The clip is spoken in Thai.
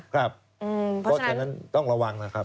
เพราะฉะนั้นต้องระวังนะครับ